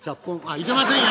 「いけませんよ